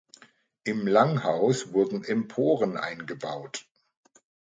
Im Langhaus wurden Emporen eingebaut.